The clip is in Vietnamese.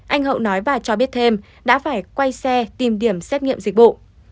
anh hậu nói và cho biết thêm đã phải quay xe tìm điểm xét nghiệm dịch vụ